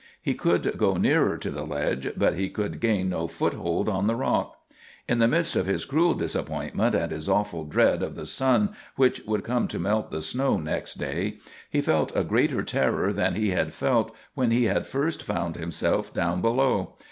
He could go nearer to the ledge, but he could gain no foothold on the rock. In the midst of his cruel disappointment and his awful dread of the sun which would come to melt the snow next day, he felt a greater terror than he had felt when he had first found himself down below.